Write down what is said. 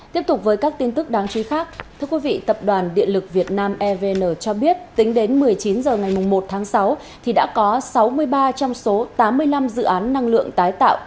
tiếp tục với các tin tức đáng chú ý khác thưa quý vị tập đoàn điện lực việt nam evn cho biết tính đến một mươi chín h ngày một tháng sáu đã có sáu mươi ba trong số tám mươi năm dự án năng lượng tái tạo